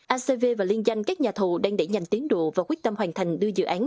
acv và liên danh các nhà thù đang đẩy nhanh tiến độ và quyết tâm hoàn thành đường cất hạ cánh